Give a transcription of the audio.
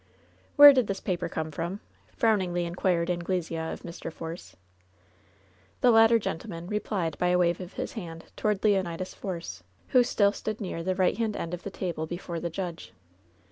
"Where did this paper come from?" frowningly in quired Anglesea of Mr. Force. The latter gentleman replied by a wave of his hand toward Leonidas Force, who still stood near the right hand end of the table before the judge.